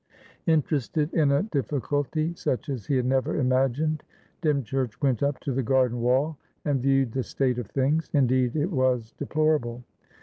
Interested in a difficulty such as he had never imagined, Dymchurch went up to the garden wall, and viewed the state of things. Indeed, it was deplorable.